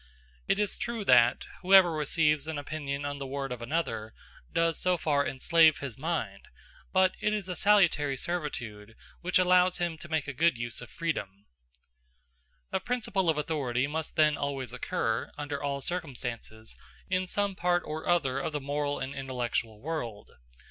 It is true that whoever receives an opinion on the word of another, does so far enslave his mind; but it is a salutary servitude which allows him to make a good use of freedom. A principle of authority must then always occur, under all circumstances, in some part or other of the moral and intellectual world.